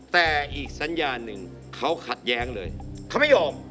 แต่อีกสัญญาณหนึ่งเขาขัดแย้งเลยเขาไม่ยอม